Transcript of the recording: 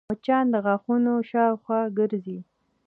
مچان د غاښونو شاوخوا ګرځي